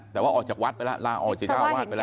แต่ว่าออกจากวัดไปล่ะลาออกจากจ้าวาทไปล่ะ